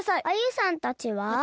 アユさんたちは？